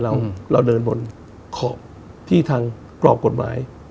เราเดินบนขอบที่ทางกรอบกฎหมาย